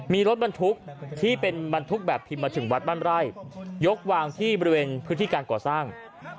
มีรถบรรทุกที่เป็นบรรทุกแบบพิมพ์มาถึงวัดบ้านไร่ยกวางที่บริเวณพื้นที่การก่อสร้าง